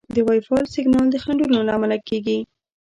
د وائی فای سیګنال د خنډونو له امله کمېږي.